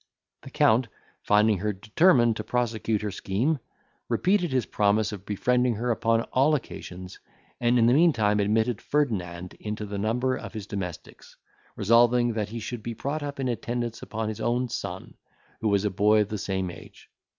The Count, finding her determined to prosecute her scheme, repeated his promise of befriending her upon all occasions; and in the meantime admitted Ferdinand into the number of his domestics, resolving that he should be brought up in attendance upon his own son, who was a boy of the same age.